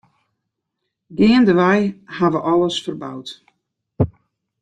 Geandewei ha we alles ferboud.